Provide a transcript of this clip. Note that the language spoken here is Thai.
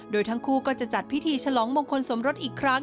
โดยทั้งคู่ก็จะจัดพิธีฉลองมงคลสมรสอีกครั้ง